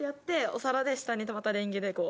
お皿で下にまたレンゲでこう。